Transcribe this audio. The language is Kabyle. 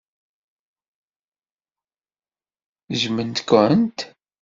Jjmen-kent.